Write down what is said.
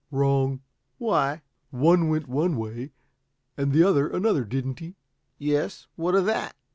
"Wrong." "Why?" "One went one way and the other another, didn't he?" "Yes. What of that?"